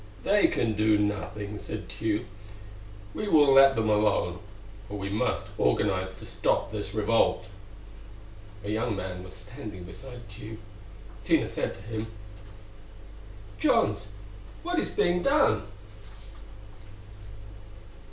"They can do nothing," said Tugh; "we will let them alone. But we must organize to stop this revolt." A young man was standing beside Tugh. Tina said to him: "Johns, what is being done?"